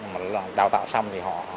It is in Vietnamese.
mà đào tạo xong thì họ